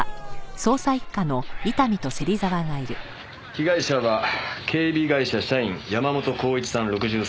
被害者は警備会社社員山本幸一さん６３歳。